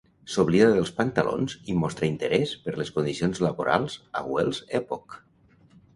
S'oblida dels pantalons i mostra interès per les condicions laborals a Wells Epoch.